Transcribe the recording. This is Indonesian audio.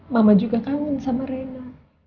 mama juga kangen sama reina